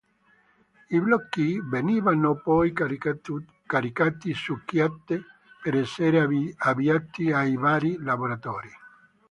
I blocchi venivano poi caricati su chiatte per essere avviati ai vari laboratori.